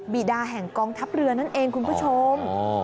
บีดาแห่งกองทัพเรือนั่นเองคุณผู้ชม